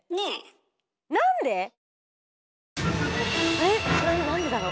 えっなんでだろう。